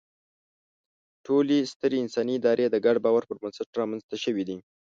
ټولې سترې انساني ادارې د ګډ باور پر بنسټ رامنځ ته شوې دي.